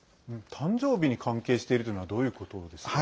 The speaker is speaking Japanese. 誕生日に関係しているというのはどういうことですか。